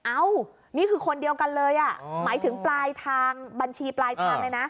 นี่คือคนเดียวกันเลยอ่ะหมายถึงปลายทางบัญชีปลายทางเลยนะ